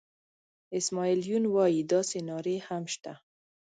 اسماعیل یون وایي داسې نارې هم شته.